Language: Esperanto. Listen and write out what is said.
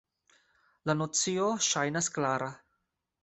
La nocio ŝajnas klara“.